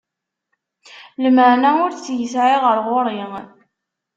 Lmeεna ur tt-yesεi ɣer ɣur-i.